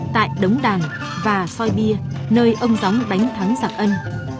tại đống đàn và xoai bia nơi ông gióng đánh thắng giặc ân